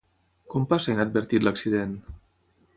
Com passa inadvertit l'accident?